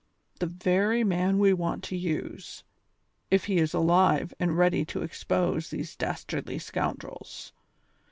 "The very man we want to use, if he is alive and ready to expose tliese dastardly scoundrels.